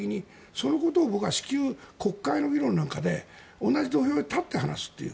そのことを僕は至急、国会の議論なんかで同じ土俵に立って話すという。